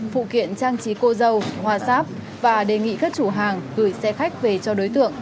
phụ kiện trang trí cô dâu hòa sáp và đề nghị các chủ hàng gửi xe khách về cho đối tượng